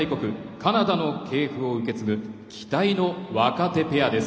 カナダの系譜を受け継ぐ期待の若手ペアです。